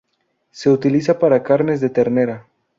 Se utiliza para carnes de ternera.